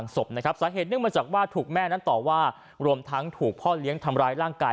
ศพนะครับสาเหตุเนื่องมาจากว่าถูกแม่นั้นต่อว่ารวมทั้งถูกพ่อเลี้ยงทำร้ายร่างกาย